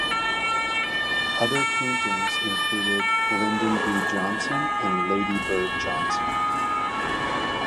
Other paintings included Lyndon B. Johnson and Lady Bird Johnson.